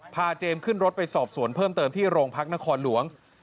เจมส์ขึ้นรถไปสอบสวนเพิ่มเติมที่โรงพักนครหลวง